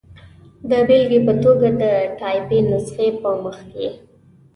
د بېلګې په توګه، د ټایپي نسخې په مخ کې.